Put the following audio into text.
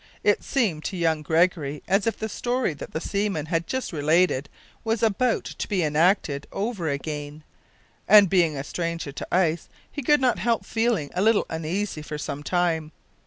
It seemed to young Gregory as if the story that the seaman had just related was about to be enacted over again; and, being a stranger to ice, he could not help feeling a little uneasy for some time.